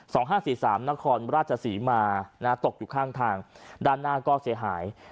ห้าสี่สามนครราชศรีมานะฮะตกอยู่ข้างทางด้านหน้าก็เสียหาย